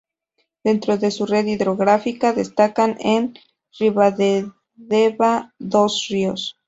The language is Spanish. Dentro de su red hidrográfica destacan en Ribadedeva dos ríos.